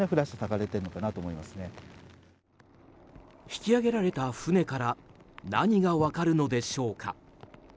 引き揚げられた船から何が分かるのでしょうか。